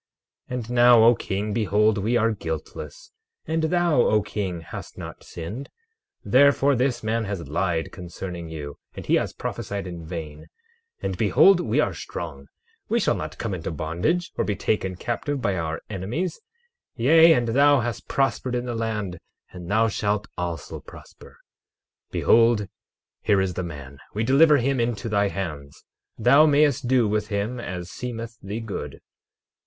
12:14 And now, O king, behold, we are guiltless, and thou, O king, hast not sinned; therefore, this man has lied concerning you, and he has prophesied in vain. 12:15 And behold, we are strong, we shall not come into bondage, or be taken captive by our enemies; yea, and thou hast prospered in the land, and thou shalt also prosper. 12:16 Behold, here is the man, we deliver him into thy hands; thou mayest do with him as seemeth thee good.